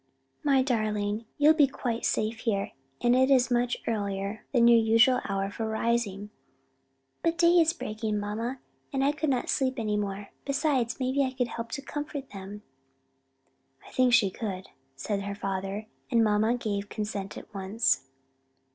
"My darling, you would be quite safe here; and it is much earlier than your usual hour for rising." "But day is breaking, mamma, and I could not sleep any more: besides maybe I could help to comfort them." "I think she could," said her father, and mamma gave consent at once.